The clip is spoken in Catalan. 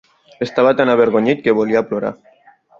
Estava tan avergonyit que volia plorar.